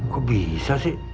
kok bisa sih